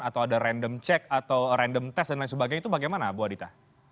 atau ada random check atau random test dan lain sebagainya itu bagaimana bu adita